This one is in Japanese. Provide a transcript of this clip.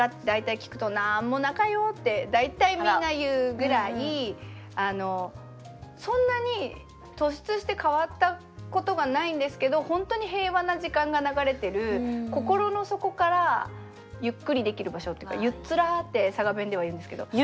大体聞くと「何もなかよ」って大体みんな言うぐらいあのそんなに突出して変わったことがないんですけど本当に平和な時間が流れてる心の底からゆっくりできる場所っていうか「ゆっつら」って佐賀弁では言うんですけど。